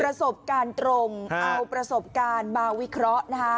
ประสบการณ์ตรงเอาประสบการณ์มาวิเคราะห์นะคะ